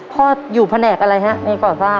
พ่ออยู่แผนกอะไรฮะในก่อสร้าง